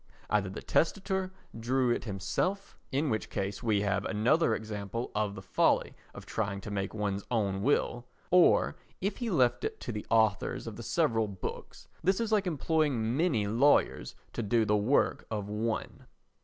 Either the testator drew it himself, in which case we have another example of the folly of trying to make one's own will, or if he left it to the authors of the several books—this is like employing many lawyers to do the work of one.